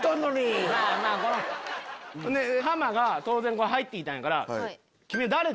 ハマが当然入って来たんやから。